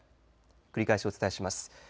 繰り返しお伝えします。